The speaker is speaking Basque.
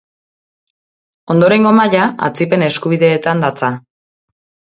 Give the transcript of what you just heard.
Ondorengo maila, atzipen eskubideetan datza.